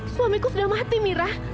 suamiku sudah mati mira